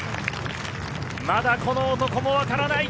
まだこの男もわからない。